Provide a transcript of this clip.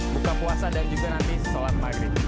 buka puasa dan juga nanti sholat maghrib